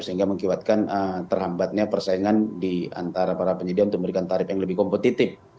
sehingga mengibatkan terhambatnya persaingan di antara para penyedia untuk memberikan tarif yang lebih kompetitif